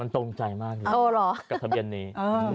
ตรงใจมากเลยกับทะเบียนนี้